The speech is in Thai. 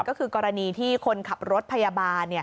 ก็คือกรณีที่คนขับรถพยาบาล